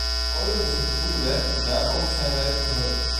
Polen is op de goede weg en daarover zijn wij verheugd.